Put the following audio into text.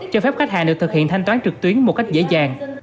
cho phép khách hàng được thực hiện thanh toán trực tuyến một cách dễ dàng